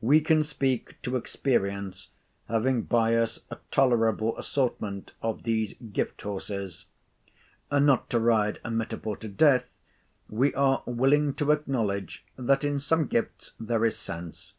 We can speak to experience, having by us a tolerable assortment of these gift horses. Not to ride a metaphor to death—we are willing to acknowledge, that in some gifts there is sense.